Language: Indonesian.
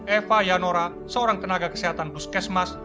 eva yanora seorang tenaga kesehatan puskesmas